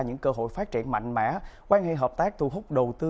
những cơ hội phát triển mạnh mẽ quan hệ hợp tác thu hút đầu tư